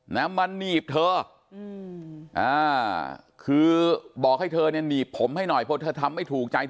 แล้วมันหนีบเธอคือบอกให้เธอหนีบผมให้หน่อยเพราะเธอทำไม่ถูกใจ